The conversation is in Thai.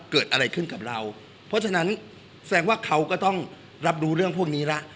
เกิดอะไรขึ้นกับเราเพราะฉะนั้นแสดงว่าเขาก็ต้องรับรู้เรื่องพวกนี้ละ